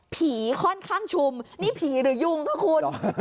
ค่อนข้างชุมนี่ผีหรือยุงค่ะคุณ